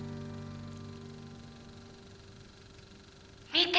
「見て。